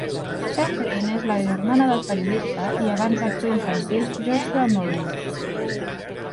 Katharine és la germana del periodista i abans actor infantil Joshua Murray.